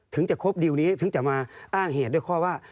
ถึงจะครบดิวนี้ถึงจะมาอ้างเหตุด้วยข้อว่า